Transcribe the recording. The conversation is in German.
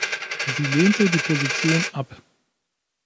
Sie lehnte die Position ab.